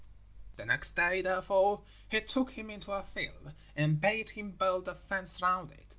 The next day, therefore, he took him into a field and bade him build a fence round it.